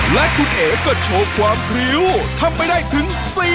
และคุณเอ๋ก็โชว์ความพริ้วทำไปได้ถึง